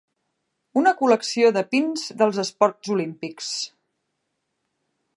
Una col·lecció de pins dels esports olímpics.